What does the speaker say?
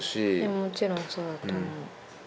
もちろんそうだと思う。